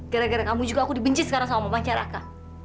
gara gara kamu juga aku dibenci sekarang sama pacaraka